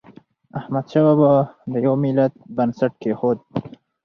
احمد شاه بابا د یو ملت بنسټ کېښود.